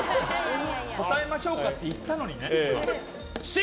答えましょうかって言ったのにね。